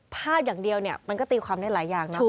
ภาพอย่างเดียวเนี่ยมันก็ตีความได้หลายอย่างนะ